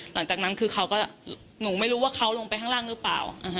หลังจากนั้นคือเขาก็หนูไม่รู้ว่าเขาลงไปข้างล่างหรือเปล่า